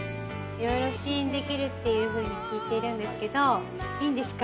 色々試飲できるっていうふうに聞いているんですけどいいんですか？